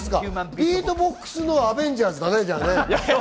ビートボックスのアベンジャーズだね。